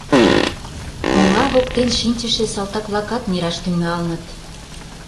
Коҥга воктен шинчыше салтак-влакат нераш тӱҥалыт.